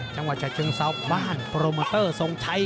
จังหวัดชาติเชียงเซาคบ้านโปรเมอเตอร์ทรงชัย